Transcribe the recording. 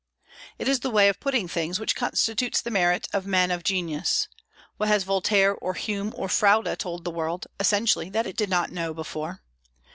It is the way of putting things which constitutes the merit of men of genius. What has Voltaire or Hume or Froude told the world, essentially, that it did not know before?